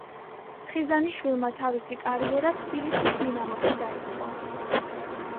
ხიზანიშვილმა თავისი კარიერა თბილისის „დინამოში“ დაიწყო.